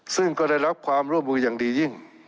ซึ่งก็ได้รับความร่วมมืออย่างดียิ่ง